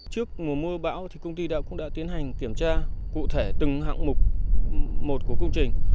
trước mùa mưa bão thì công ty cũng đã tiến hành kiểm tra cụ thể từng hạng mục một của công trình